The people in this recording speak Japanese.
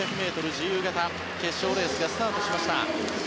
自由形決勝レースがスタートしました。